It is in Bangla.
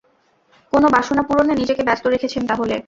কোন বাসনা পূরণে নিজেকে ব্যস্ত রেখেছেন তাহলে?